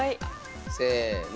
せの。